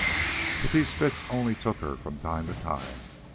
But these fits only took her from time to time.